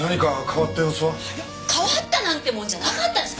変わったなんてもんじゃなかったです！